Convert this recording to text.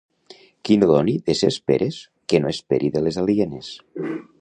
Qui no doni de ses peres, que no esperi de les alienes.